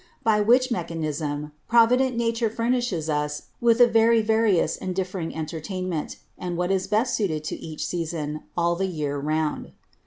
By which Mechanism, provident Nature furnishes us with a very various and differing Entertainment; and what is best suited to each Season, all the Year round.